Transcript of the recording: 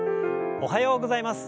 おはようございます。